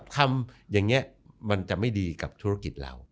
คำอย่างนี้มันจะไม่ดีกับธุรกิจเรา